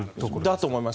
だと思います。